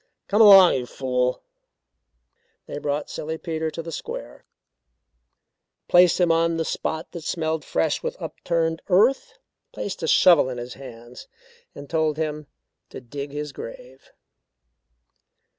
"Come along, you fool!" They brought Silly Peter to the square, placed him on the spot that smelled fresh with upturned earth, placed a shovel in his hands and told him to dig his grave.